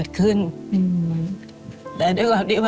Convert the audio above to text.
ลูกขาดแม่